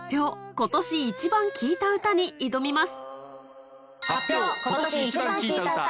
今年イチバン聴いた歌』に挑みます